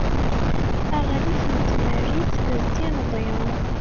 aɣlif n tmerrit d tinḍi